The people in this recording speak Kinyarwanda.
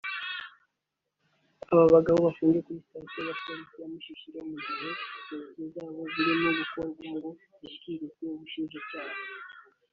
Aba bagabo bafungiwe kuri Sitasiyo ya Polisi ya Mushishiro mu gihe Dosiye zabo zirimo gukorwa ngo zishyikirizwe Ubushinjacyaha